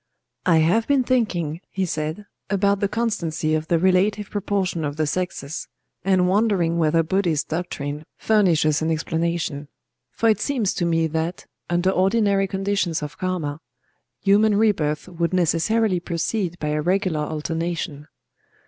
"I have been thinking," he said, "about the constancy of the relative proportion of the sexes, and wondering whether Buddhist doctrine furnishes an explanation. For it seems to me that, under ordinary conditions of karma, human rebirth would necessarily proceed by a regular alternation."